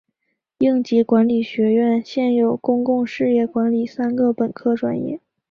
应急管理学院现有公共事业管理三个本科专业。